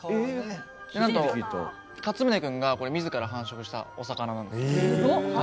かつむね君がみずから繁殖したお魚なんですよ。